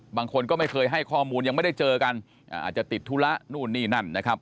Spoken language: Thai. บางคนก็ไม่เคยให้ข้อมูลยังไม่ได้เจอกันอาจจะติดธุระนู่นนี่นั่นนะครับ